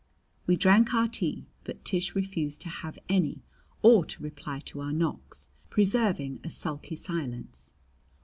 We drank our tea, but Tish refused to have any or to reply to our knocks, preserving a sulky silence.